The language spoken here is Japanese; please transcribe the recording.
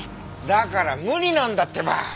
だから無理なんだってば！